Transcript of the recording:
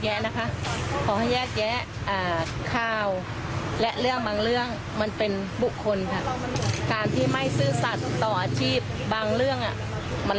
เป็นผู้ย่ายกันแล้วไม่ควรจะทำให้สังคมสับสน